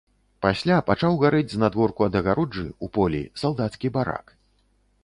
Пасля пачаў гарэць знадворку ад агароджы, у полі, салдацкі барак.